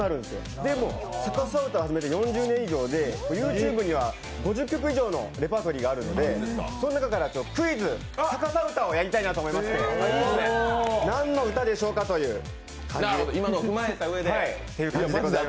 でも、逆さ歌を始めて４０年以上でＹｏｕＴｕｂｅには５０曲以上のレパートリーがあるのでその中から、クイズ逆さ歌をやりたいなと思いまして、何の歌でしょうかという感じで。